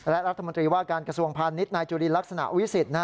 และรัฐมนตรีว่าการกระทรวงพาณิชย์นายจุลินลักษณะวิสิทธิ์